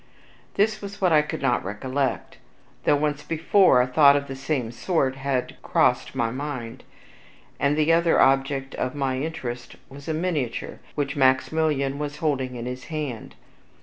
This was what I could not recollect, though once before a thought of the same sort had crossed my mind. The other object of my interest was a miniature, which Maximilian was holding in his hand.